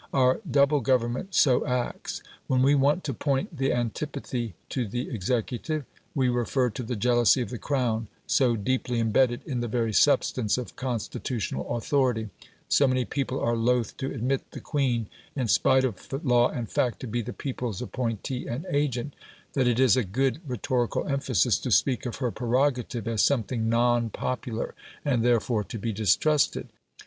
Our double Government so acts: when we want to point the antipathy to the executive, we refer to the jealousy of the Crown, so deeply embedded in the very substance of constitutional authority; so many people are loth to admit the Queen, in spite of law and fact, to be the people's appointee and agent, that it is a good rhetorical emphasis to speak of her prerogative as something NON popular, and therefore to be distrusted.